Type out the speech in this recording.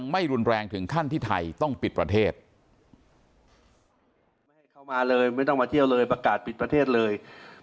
ไม่ให้เข้ามาเลยไม่ต้องมาเที่ยวเลยประกาศปิดประเทศเลย